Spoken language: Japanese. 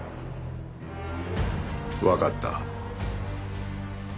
わかった。